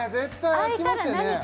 開いたら何か？